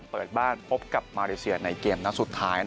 เปิดบ้านพบกับมาเลเซียในเกมนัดสุดท้าย